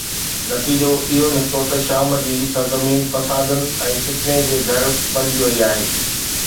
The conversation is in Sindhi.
نتيجو اهو نڪتو ته شام جي سرزمين فسادن ۽ فتني جي گهر بڻجي وئي آهي.